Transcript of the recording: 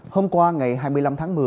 hôm qua ngày hai mươi năm tháng một mươi